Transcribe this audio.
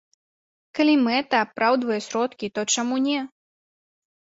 Калі мэта апраўдвае сродкі, то чаму не.